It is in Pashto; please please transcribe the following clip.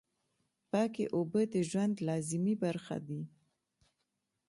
پاکې اوبه د ژوند لازمي برخه دي.